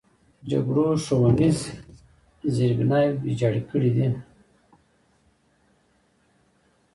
جګړو ښوونیز زیربناوې ویجاړې کړي دي.